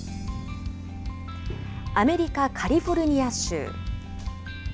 アメリカ・カリフォルニア州。